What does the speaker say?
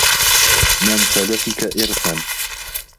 مَنْ سَلَفِك إرْثًا